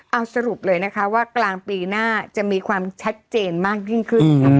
เอาสรุปเลยนะคะว่ากลางปีหน้าจะมีความชัดเจนมากยิ่งขึ้นค่ะ